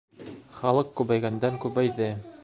Халыҡ күбәйгәндән-күбәйҙе.